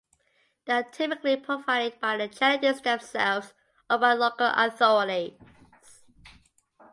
They are typically provided by the charities themselves or by local authorities.